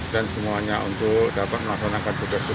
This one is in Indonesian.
dan semuanya untuk dapat melaksanakan tugasnya